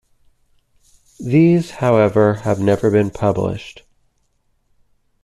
These, however, have never been published.